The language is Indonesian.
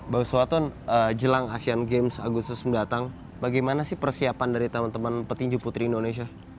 bapak suswatun jelang asian games agustus mendatang bagaimana persiapan dari teman teman petinju putri indonesia